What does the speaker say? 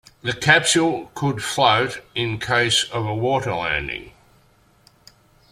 The capsule could float in case of a water landing.